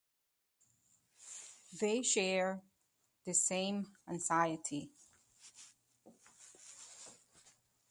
They shared the same anxiety.